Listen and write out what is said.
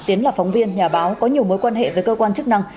tiến là phóng viên nhà báo có nhiều mối quan hệ với cơ quan chức năng